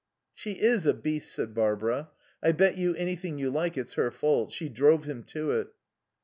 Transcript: "She is a beast," said Barbara. "I bet you anything you like it's her fault. She drove him to it."